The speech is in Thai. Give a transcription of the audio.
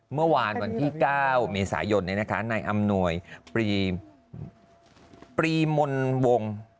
เมื่อวานวันที่๙เมษายนนายอำนวยปรีมนวง